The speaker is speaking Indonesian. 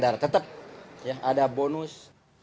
dan tetap ada bonus